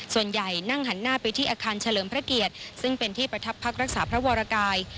ส่วนใหญ่นั่งหันหน้าไปที่อาคารเฉลิมพระเกียรติซึ่งเป็นที่ประทับพักรักษาพระวรกาย